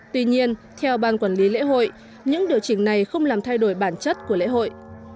tuy nhiên theo ban quản lý lễ hội những điều chỉnh này không làm thay đổi bản chất của lễ hội